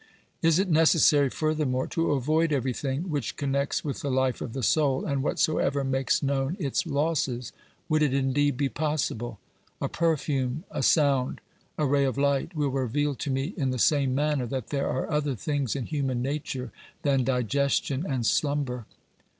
Is it necessary, furthermore, to avoid every thing which connects with the life of the soul and whatsoever makes known its losses ? Would it indeed be possible ? A 134 OBERMANN perfume, a sound, a ray of light will reveal to me in the same manner that there are other things in human nature than digestion and slumber.